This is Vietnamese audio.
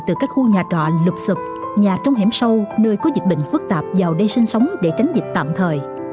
từ các khu nhà trọ lục xụp nhà trong hẻm sâu nơi có dịch bệnh phức tạp vào đây sinh sống để tránh dịch tạm thời